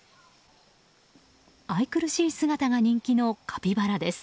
愛くるしい姿が人気のカピバラです。